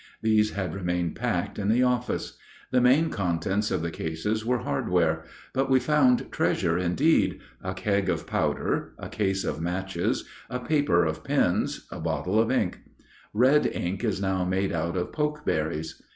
These had remained packed in the office. The main contents of the cases were hardware; but we found treasure indeed a keg of powder, a case of matches, a paper of pins, a bottle of ink. Red ink is now made out of pokeberries.